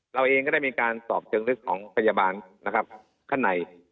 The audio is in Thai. เราเองก็ได้มีการสอบเจริญฤทธิ์ของพยาบาลข้างใน